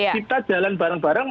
kita jalan bareng bareng